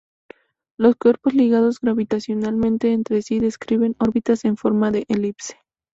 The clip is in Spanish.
Los cuerpos ligados gravitacionalmente entre sí describen órbitas en forma de elipse.